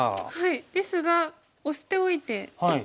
ですがオシておいて。